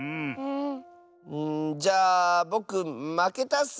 じゃあぼくまけたッス！